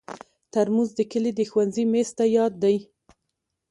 ترموز د کلي د ښوونځي میز ته یاد دی.